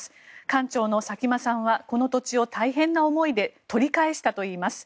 館長の佐喜眞さんはこの土地を大変な思いで取り返したといいます。